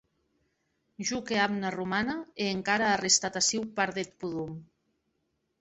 Jo qu’è amna romana, e encara a restat aciu part deth podom.